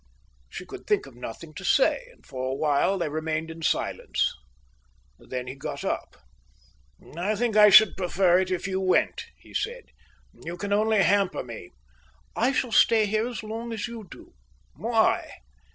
She could think of nothing to say, and for a while they remained in silence. Then he got up. "I think I should prefer it if you went," he said. "You can only hamper me." "I shall stay here as long as you do." "Why?"